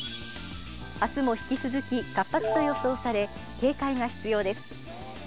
明日も引き続き活発と予想され警戒が必要です。